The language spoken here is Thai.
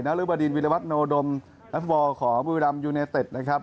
นรบดินวิลวัฒนโดมและฟอร์ของวิรัมย์ยูเนเต็ดนะครับ